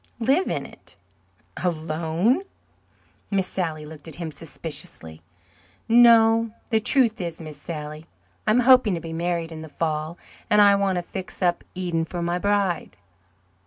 "Live in it." "Alone?" Miss Sally looked at him suspiciously. "No. The truth is, Miss Sally, I am hoping to be married in the fall and I want to fix up Eden for my bride."